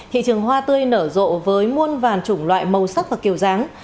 thị trường hoa tươi nở rộ với muôn vàn chủng loại màu sắc và kiều ráng